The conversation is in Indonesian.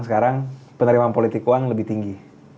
sekarang penerimaan politik uang lebih tinggi